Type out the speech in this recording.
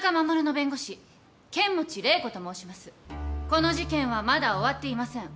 この事件はまだ終わっていません。